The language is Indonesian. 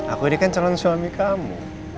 aku ini kan calon suami kamu